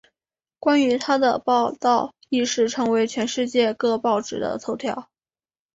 关于她的报道一时成为全世界各报纸的头条。